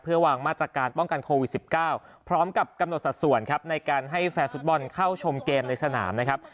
วางมาตรการป้องกันโควิด๑๙พร้อมกับกำหนดสัดส่วนครับในการให้แฟนฟุตบอลเข้าชมเกมในสนามนะครับ